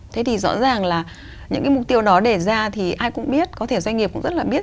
thế thì rõ ràng là những cái mục tiêu đó để ra thì ai cũng biết có thể doanh nghiệp cũng rất là biết